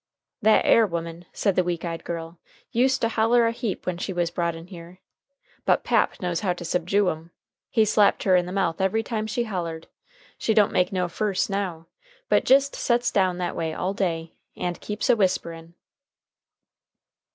"That air woman," said the weak eyed girl, "used to holler a heap when she was brought in here. But Pap knows how to subjue 'em. He slapped her in the mouth every time she hollered. She don't make no furss now, but jist sets down that way all day, and keeps a whisperin'."